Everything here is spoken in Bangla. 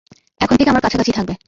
এখন থেকে আমার কাছাকাছি থাকবে।